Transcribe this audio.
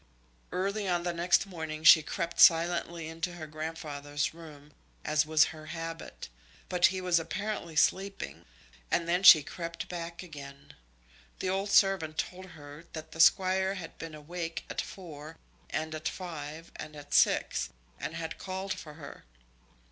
Early on the next morning she crept silently into her grandfather's room, as was her habit; but he was apparently sleeping, and then she crept back again. The old servant told her that the Squire had been awake at four, and at five, and at six, and had called for her.